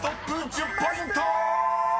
１０ポイント！］